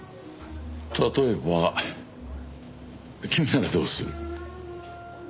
例えば君ならどうする？